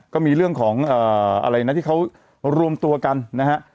ก็มีเรื่องของอะไรนะที่เขารวมตัวกันนะฮะ